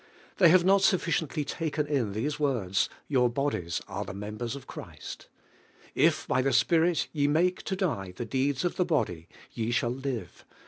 They have mot sufficiently taken in these words: "Tour bodies are the members of Christ" "If by the Spirit ye make to die the deeds of the body, ye shall live" (I.